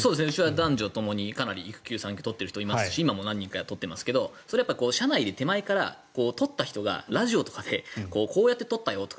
男女ともにかなり育休・産休を取っている人もいますし今も取っている人がいますがそれは取った人が手前からラジオとかでこうやって取ったよとか。